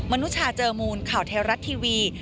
นุชาเจอมูลข่าวไทยรัฐทีวี